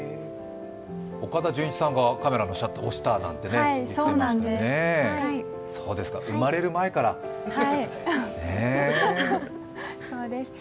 岡田准一さんがカメラのシャッターを押したなんて言っていましたね。